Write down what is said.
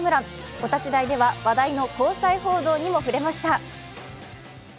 お立ち台では話題の交際報道にも触れました。